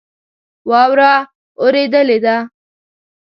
واوره اوریدلی ده